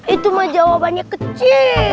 itu mah jawabannya kecil